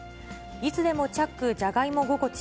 いつでもチャックじゃがいも心地